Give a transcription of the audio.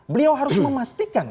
beliau harus memastikan